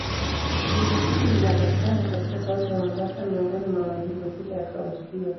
Jimbo hili linapatikana katika Kaunti ya Mombasa, miongoni mwa majimbo sita ya kaunti hiyo.